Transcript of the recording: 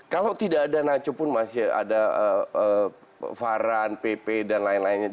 kalau tidak ada nacho pun masih ada varane pepe dan lain lainnya